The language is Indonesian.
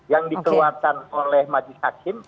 yang dikeluarkan oleh majelis hakim